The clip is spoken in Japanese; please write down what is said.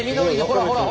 ほらほら！